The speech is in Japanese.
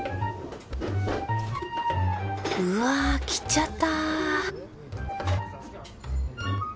うわぁ来ちゃった